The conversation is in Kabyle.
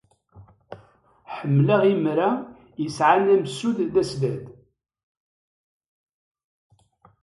Ḥemmleɣ imra yesɛan amsud d asdad.